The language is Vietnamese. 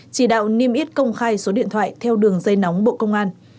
chỉ đạo niêm yết công khai số điện thoại theo đường dây nóng bộ công an